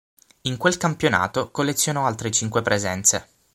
In quel campionato collezionò altre cinque presenze.